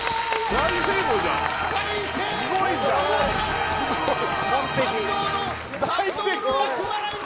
大成功じゃん。